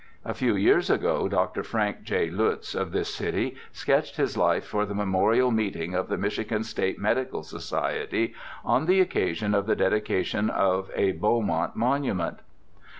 A few years ago Dr. Erank J. Lutz, of this city, sketched his life for the memorial meeting of the Michigan State Medical Society on the occasion of the dedication of a Beaumont monu ment.